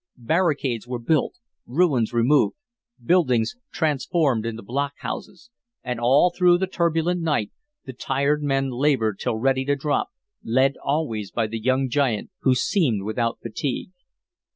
Barricades were built, ruins removed, buildings transformed into blockhouses, and all through the turbulent night the tired men labored till ready to drop, led always by the young giant, who seemed without fatigue.